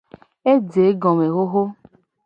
Eje egome hoho.